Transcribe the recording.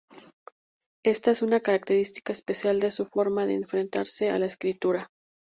Esta es una característica especial de su forma de enfrentarse a la escritura.